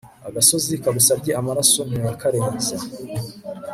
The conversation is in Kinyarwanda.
agasozi kagusabye amaraso ntuyakarenza